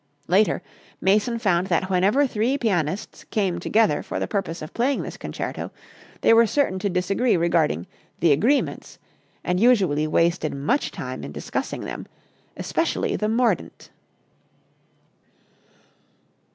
Later, Mason found that whenever three pianists came together for the purpose of playing this concerto they were certain to disagree regarding "the agreements," and usually wasted much time in discussing them, especially the mordent.